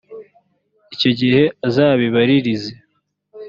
icyo gihe uzabibaririze,